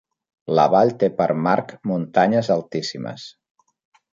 La vall té per marc muntanyes altíssimes.